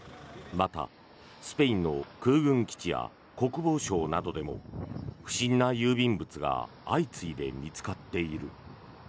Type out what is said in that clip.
また、スペインの空軍基地や国防省などでも不審な郵便物が相次いで見つかっている。